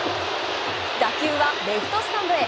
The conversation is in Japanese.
打球はレフトスタンドへ。